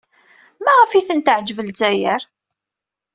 Maɣef ay ten-teɛjeb Lezzayer?